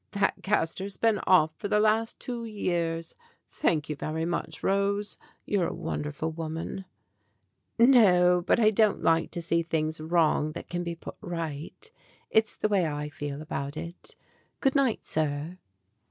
"That castor's been off for the last two years. Thank you very much, Rose. You're a wonderful woman." "No; but I don't like to see things wrong that can 10 STORIES WITHOUT TEARS be put right. It's the way I feel about it. Good night, sir."